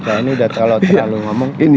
ini sudah terlalu banyak